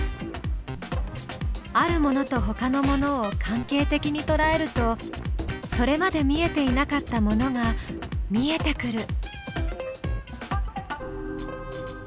あるものとほかのものを関係的にとらえるとそれまで見えていなかったものが見えてくる。